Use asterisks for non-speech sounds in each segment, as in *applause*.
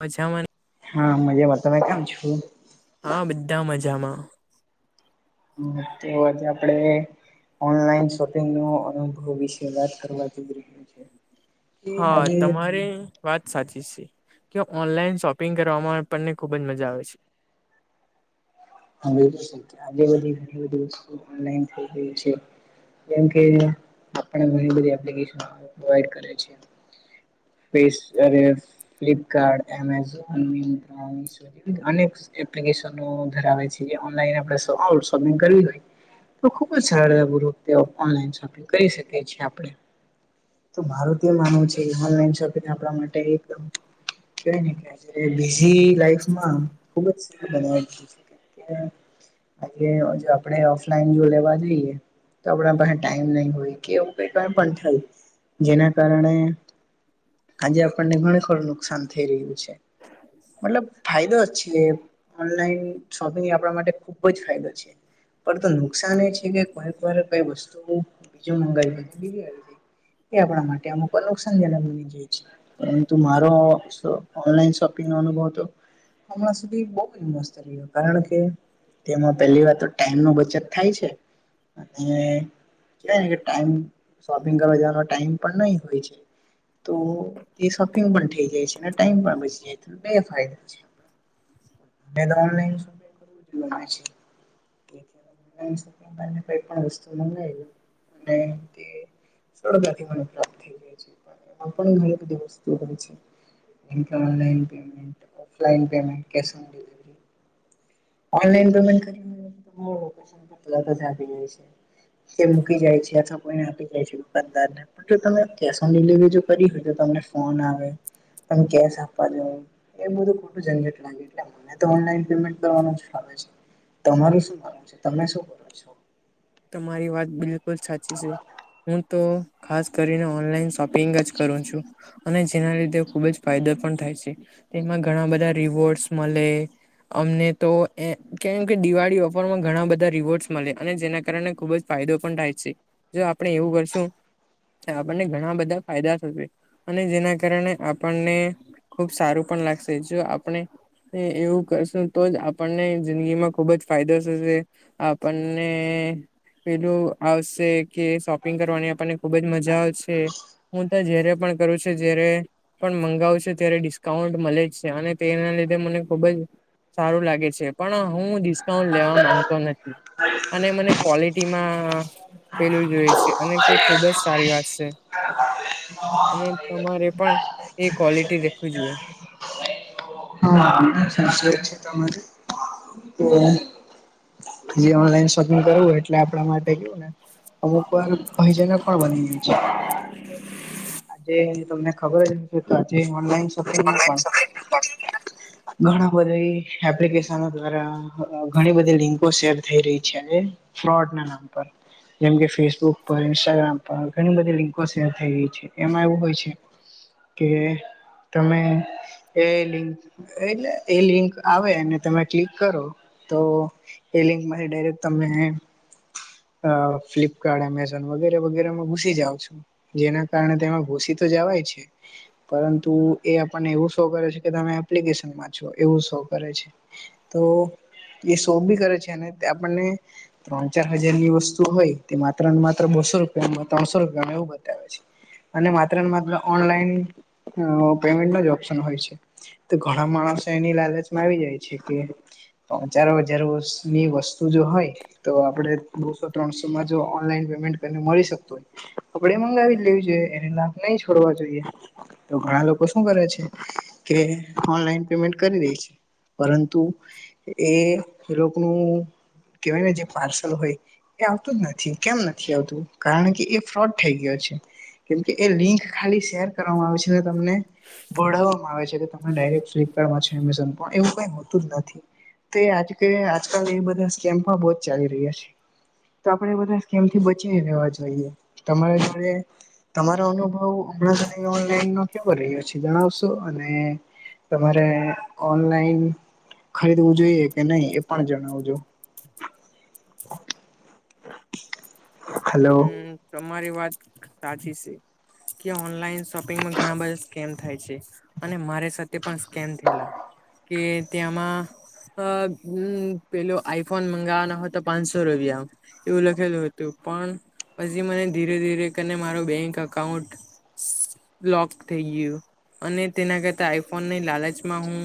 મછામાંને હા મજા વાતા ક છું હા બધા મજામાં હમ તો હજ આપડે ઓનલાઈન શોપિંગ ન અનુભવ વિશે વાત કરવા જોઈ રહ્યું છે કે હા આજે તમારે આજે વાત સાચી જ છે કે ઓનલાઈન શોપિંગ કરવામાં આપણને ખુબ જ મજા આવે છે હા બ આજે બધીધી વસ્તુ છે કેમકે આપણી બધી એ્િક પ્રોવા કરે છે સ્ ફ્લિપકાર્ટ એમેઝોન મ્ર અનેક એપ્લિકેશનો ધરાવે છે જે ઓનલાઈન આપણે શોપિંગ કરવી હોય તો ખુબ જ સરળ અૂ રપ ઓનલાઈન શોપિંગ કરી શકી છીએ આપણે તો ભારતીય માનવું છે ઓનલાન શોપિંગ આપ માટે એક બઝ લ ખુબ સ બધ છે આ આપણેે ઓફલાઈન જો લેવા જઈએ તો આપણા પાસે ટાઈમ નહી હોય કેવું ક કઈ પણ થાય જેના કારણે આજે આપણને ઘણું ખરું નુકસાન થઈ રહ્યું છે મતલબ ફાયદો જ છે ઓનલાઈન શોપિંગ આપણા માટે ખુબ જ ફાયદો છે. પર તો નુકસાન એ છે કે કોઈક વાર કઈ વસ્તુ બીજું મંગાવી બી એ આપણા માટે અમુક નુકસાનજનક બની જાય છે. પરુ મારો ઓનલાન શોપિંગ નો અનુભવ હતો હમણાં સુધી બહ ઇન્્યો કારણ કે તેમાં પહેલી વાર તો ટાઈમ નો બચત થાય છે અનેવાને કે ટાઈમ શોપિંગ કરવા જવાનો ટાઈમ પણ નહી હોય છે તો તે શોપિંગ પણ થઈ જાય છે અને ટાઈમ પણ બચી જાય છે બે ફાયદો છે *inaudible* *inaudible* સરળતાથી મને પ્રાપ્ત થઈ ગાય છે. આપણે *inaudible* ઓફલાઈન પેમેન્ટ *inaudible* ઓનલાઈન પેમે *inaudible* તે મૂકી જાય છે અથવા કોઈને આપી જાય છે દુકાનદાર ને જો તમે કેશ ઓન ડિલિવરી જો કરી હોય તો તમને ફોન આવે. તમે કેશ આપવા જો એ બધું ખોટું જંગટ લાગે એટલે મને તો ઓનલાઈન *inaudible* તમાર શું કરવાન, તમે શું કરો છો? તમારી વાત બિલકુલ સાચી છે હું તો ખાસ કરીને ઓનલાઈન શોપિંગ જ કરું છું. અને જેના લીધે ખુબ જ ફાયદો પણ થાય છે તેમાં ઘણા બધા રિવોર્ડસ મળે અમને તો એ કેમ કે દિવાળી ઓફર માં ઘણા બધા રિવોર્ડસ મળે અને જેના કારને ખુબ જ ફાયદો પણ થાય છે જો આપણે એવું કરશું આપણને ઘણા બધા ફાયદા થશે અને જેના કારણે આપણને ખુબ સારું પણ લાગશે જો આપણે હા એવું કરશું તો જ આપણને જિંદગી માં ખુબ જ ફાયદો થશે. આપણને પેલું આવશે કે શોપિંગ કરવાની આપણને ખુબ જ મજા આવશે. હું તો જય્યારે પણ કરું છું જ્યારે પણ મંગાવુ છું ત્યારે ડિસ્કાઉન્ટ મળે જ છે અને તેના લીધે મને ખુબ જ સારું લાગે છે, પણ હું ડિસ્કાઉન્ટ લેવા માંગતો નથી અને મને ક્વોલિટીમાં પેલું જોઈએ છે અને તે ખુબ જ સારી વાત છે. અને તમારે પણ એ ક્વોલિટી દેખું જોઈએ. હા *inaudible* કે ઓનલાઈન શોપિંગ કરવું એટલે આપણા માટ ગયુંને અમુક વાર ભય જન પણ બની જાય છે. આજે તમને ખબર જ કે આજે ઓનલાઈન શોપિંગમાં પણ ઘણા બધી એપ્લિકેશનો દ્વારા ઘણી બધી લિંકો શેર થઈ રહી છે. ફ્રોડ ના નામ પર. જેમકે ફેસબુક પર ઇન્સ્ટાગ્રામ પર ઘણી બધી લિંકો શેર થઈ રહી છે. એમાં એવું હોય છે કે તમે એ લીક એટલે એ લિંક આવે અને તમે ક્લિક કરો તો એ લિંકમાંથી ડાયરેક્ટ તમે અ ફ્લિપકાર્ટ એમેઝોન વગેરે વગેરેમાં ઘુસી જાવ છું જેના કારણે તેમાં ઘુસી તો જવાય છે. પરંતુ એ આપણને એવું શો કરે છે કે તમે એપ્લિકેશન માં છો એવું શો કરે છે. તો એ શો ભી કરે છે અને આપણને ત્રણ ચાર હજાર ની વસ્તુ હોય તે માત્ર ને માત્ર બસો રૂપિયામાં ત્રણસો રૂપિયામાં એવ બતાવે છે. અને માત્ર ને માત્ર ઓનલાઈન પેમેન્ટ જ ઓપ્શન હોય છે. તો ઘણા માણસ એની લાલચમાં આવી જાય છે કે ત્રણ ચાર હજાર ની વસ્તુ જો હોય તો આપડે બોસો ત્રણસોમાં જો ઓનલાઈન પેમેન્ટ કરીને મળી શકતો હોય આપડે મંગાવી એવું એને નાક નહી છોડવા જોઈએ. તો ઘણા લોકો શું કરે છે કે ઓનલાઈન પેમેન્ટ કરી દે છે પરંતુ એ લોકો નું કેહેવાય ને જે પાર્સલ હોય એ આવતું જ નથી કેમ નથી આવતું કારણ કે એ ફ્રોડ થઈ ગયો છે. કેમકે એ લિંક ખાલી શેર કરવામાં આવે છે ને તમને. ભોડવામાં આવે છે તમે ડાયરેક્ટ ફ્લિપકાર્ટમાં છે એમેઝોન પણ એવું કઈ હોતું જ નથી. તે આજ કે આજકાલ એ બધા સ્કેમ્પ બો જ ચાલી રહ્યા છે. તો એ આપડે બધા સ્કેમ થી બચીને રહેેવા જોઈએ તમારા જોડે તમારો અનુભવ હમણા સુધીનો ઓનલાઈન નો કેવો રહ્યો છે જણાવશો અને તમારે ઓનલાઈન ખરીદવું જોઈએ કે નહી એ પણ જણાવજો *inaudible* *inaudible* હલો હમ્મ તમારી વાત સાચી સે. કે ઓનલાઈન શોપિંગમાં ઘણા બધા સ્કેમ થાય છે. અને મારી સાથે પણ સ્કેમ થયેલા કે ત્યાંમાં અ પેલો આઈફોન મંગાવવાનો હતો પાંચસો રૂપિયા માં એવું લખેલું હતું પણ પછી મને ધીરે ધીરે કરને મારો બેંક અકાઉન્ટ લોક થઈ ગયું અને તેના કરતા આઈફોનની લાલચમાં હું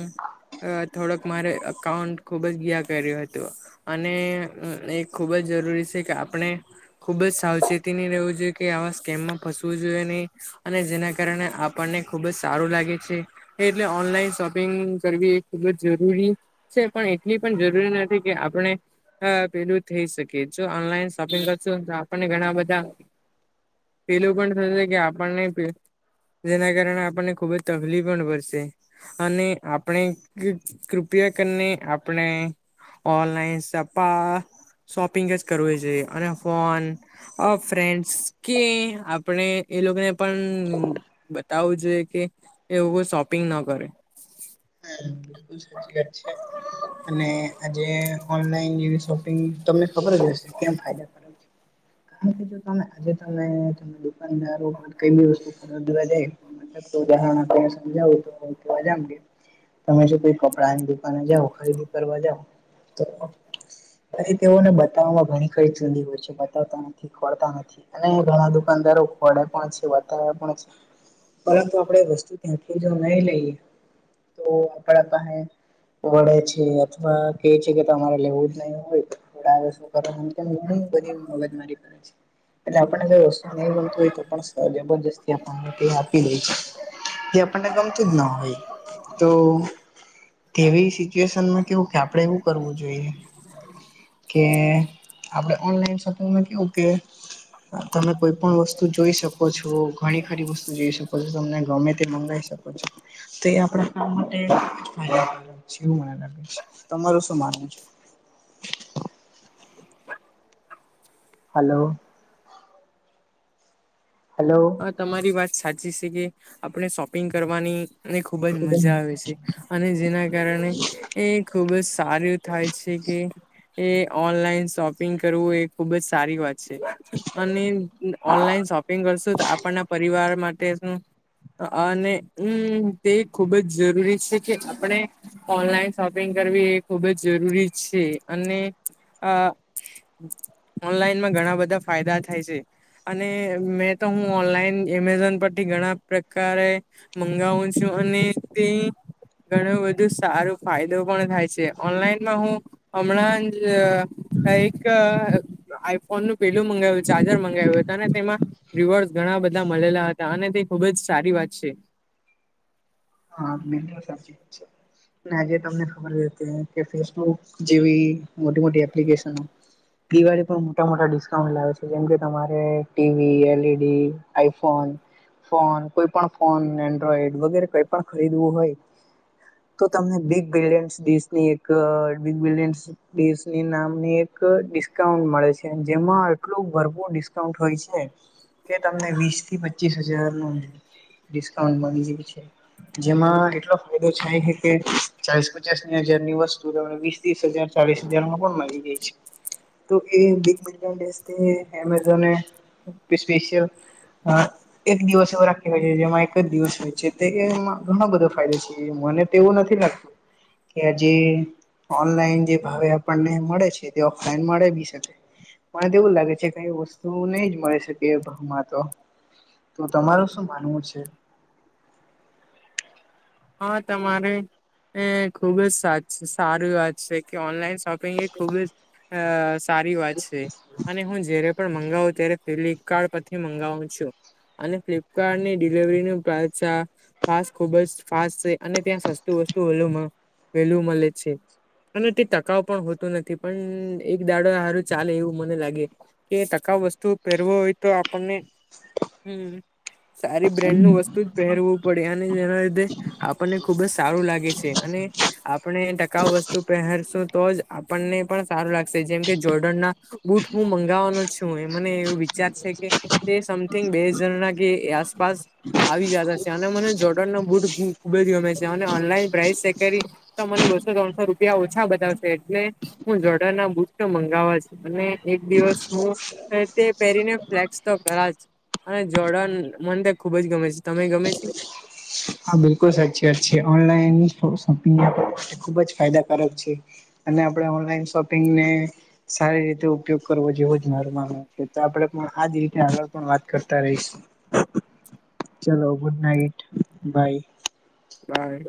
અ થોડક મારે અકાઉન્ટ ખુબ જ ગિયા કર્યું હતું અને એ ખુબ જ જરૂરી છે કે આપણે ખુબ જ સાવચેતી રહેવું જોઈએ કે આવા સ્કેમમાં ફસવું જોઈએ ની. અને જેના કારણે આપણને ખુબ જ સારું લાગે છે. એટલે ઓનલાઈન શોપિંગ કરવી એ ખૂબ જ જરૂરી છે પણ એટલી પણ જરૂરી નથી કે આપણે હા પેલું થઈ શકે જો ઓનલાઈન શોપિંગ કરશું તો આપણને ઘણા બધા એે લોકો ને થશે કે આપણને *unintelligible* જેના કારણે આપણને ખુબ જ તકલીફ પણ પડશે. અને આપણે કૃપયા કરને આપણે ઓનલાઈન સપ્પા શોપિંગ જ કરવું જોઈએ અને ફોન અ ફ્રેન્ડસ કે આપણે એ લોકોને પણ બતાવું જોઈએ કે એવુ કઈ શોપિંગ ન કરે. હા બિલકુલ સાચી વાત છે. અને આજે ઓનલાઈન જેવી શોપિંગ તમને ખબર જ હશે કેમ ફાયદા કરે કે જો તમે આજે તમે તમે દુકાનદારો કઈ બી વસ્તુ ખરીદવા જાય મતલબ તો *unintelligible* તમે જો કોઈ કપડાની દુકાને જાઓ ખરીદી કરવા જાઓ તો પછી તેઓને બતાવવામાં ઘણી *unintelligible* હોય છે બતાવતા નથી. ખોરતા નથી અને ઘણા દુકાનદારો ખોડે પણ છે બતાવે પણ છે પરંતુ આપણેે વસ્તુ ત્યાંથી જો નહી લઈએ તો આપણા પાહે વળે છે અથવા કે છે કે તમારે લેવું જ નહી હોય *unintelligible* ઘણી બધી મગજ મારી કરે છે. એટલે આપણને કઈ વસ્તુ નહી ગમતી હોય તો પણ જબરજસ્તી આપણને આપી દે છે. એ આપણને ગમતું જ ના હોય તો તેવી સિચ્યુએશનમાં કેવું કે આપણેે એવું કરવું જોઈએ *inaudible* કે આપણે ઓનલાઈન શોપિંગમાં કેવું કે તમે કોઈ પણ વસ્તુ જોઈ શકો છો ઘણી ખરી વસ્તુ જોઈ શકો છો તમને ગમે તે મંગાઈ શકો છો. તો એ આપણા કામ માટે *unintelligible* એવું મને લાગે છે તમારું શું માનવું છે હાલો હલો અ તમારી વાત સાચી છે કે આપણે શોપિંગ કરવાની ની ખુબ જ મજા આવે છે. અને જેના કારણે એ ખુબ જ સારું થાય છે કે એ. ઓનલાઈન શોપિંગ કરવું એ ખુબ જ સારી વાત. અને ઓનલાઈન શોપિંગ કરશું તો આપણના પરિવાર માટે શું. અને હમ તે ખુબ જ જરૂરી છે કે આપણે ઓનલાઈન શોપિંગ કરવી એ ખૂબ જ જરૂરી છે અને. ઓનલાઈનમાં ઘણા બધા ફાયદા થાય છે અને મે. તો હું ઓનલાઈન એમેઝોન પરથી ઘણા પ્રકારે મંગાવું છું અને તે. ઘણું બધું સારું ફાયદો પણ થાય છે ઓનલાઈનમાં હું. હમણાં જ એક. આઈફોનનું પેલું મંગાવ્યું ચાર્જર મંગાવ્યું હતું ને તેમાં. રિવોર્સ ઘણા બધા મળેલા હતા અને તે ખુબ જ સારી વાત છે. હા અને સાચી વાત છે. આજે તમને ખબર કે ફેસબુક જેવી મોટી મોટી એપ્લિકેશનો દિવાળી પણ મોટા મોટા ડિસ્કાઉન્ટ લાવે છે જેમ કે તમારે ટીવી એલઈડી આઈફોન ફોન કોઈ પણ ફોન એન્ડ્રોઈડ વગેરે કઈ પણ ખરીદવું હોય. તો તમને બિગ બલિયન્સ દેશની એક બિગ બલિયન્સ. દેશ ની નામની એક ડિસ્કાઉન્ટ મળે છે જેમાં આટલું ભરપૂર ડિસ્કાઉન્ટ હોય છે. કે તમને વીસ થી પચીસ હજાર નુ ડિસ્કાઉન્ટ મળી જ છે. જેમાં એટલો ફાયદો થાય કે ચાલીસ પચાસ ની હજારની વસ્તુ તમને. ત્રીસ હજાર ચાલીસ હજાર માં પણ મળી જાય છે. તો એ બિગ મિલ્ટન ડેસ્ટ એમેઝોન એ. સ્પેશિયલ અ એક દિવસ એવો રાખી હોય છે જેમાં એક જ દિવસ હોય છે. એમાં ઘણો બધો ફાયદો છે મને તો એવું નથી લાગતું કે આજે. ઓનલાઈન જે ભાવે આપણને મળે છે તે ઓફલાઈન મળે બી શકે. મને તો એવું લાગે છે કઈ વસ્તુ નહી જ મળી શકે એ ભાવ માં તો. તો તમારું શું માનવું છે. હા તમારે એ ખુબ જ સાચ છે સારી વાત છે કે ઓનલાઈન શોપ. તે ખુબ અ સારી વાત છે અને હું જારે પણ મંગાવું ત્યારે ફ્લિપકાર્ટ પરથી મંગાવું છું. અને ફ્લિપકાર્ટની ડિલવરીનું પ્રઇસ ફાસ ખુબ જ. ફાસ્ટ છે અને ત્યાં સસ્તુ વસ્તુ વેલુ મળે છે. અને તે ટકાઉ પણ હોતું નથી પણ એક દાડો હારું ચાલે એવું મને લાગે. કે ટકાઉ વસ્તુ પહેરવો હોય તો આપણને હમ. સારી બ્રેાન્ડ નું વસ્તુ જ પહેરવું પડે અને જેના લીધે. આપણને ખુબ જ સારું લાગે છે અને. આપણે ટકાઉ વસ્તુ પહેરશું તો જ આપણને પણ સારું લાગશે જેમ કે જોર્ડન ના. બૂટ હું મંગાવવાનો છું એ મને એવું વિચાર છે કે. તે સમથિંગ બે હજાર ના કે આસપાસ આવી જતા છે અને મને જોટણનો બુટ. ખૂબ જ ગમે છે અને ઓનલાઈન પ્રાઇસ ચેક કરી તો મને બસો ત્રણસો રૂપિયા ઓછા બતાવશે એટલે હું જોડાન ના બુટ તો મંગાવવા છ અને એક દિવસ હું. તે પહેરીને ફ્લેક્સ તો કરાજ. અને જોડાણ મને ત ખુબ જ ગમે છે તમે ગમે છે. હા બિલકુલ સાચી વાત છે ઓનલાઈનોપિંગ ખુબ જ ફાયદાકારક છે અને આપણે ઓનલાઈન શોપિંગને સારી રીતે ઉપયોગ કરવો જેવો જ મરવાનો છે તો આપણેે પણ આજ રીતે આગળ પણ વાત કરતા રહીશું ચલો ગુડ નાઇટ બાય બાય.